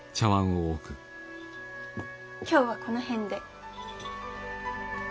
今日はこの辺で。